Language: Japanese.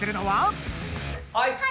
はい！